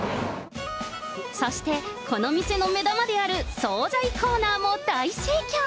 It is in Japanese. そしてこの店の目玉である総菜コーナーも大盛況。